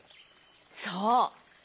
そう。